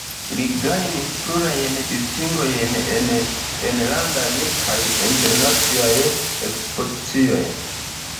Li gajnis plurajn distingojn en enlandaj kaj internaciaj ekspozicioj.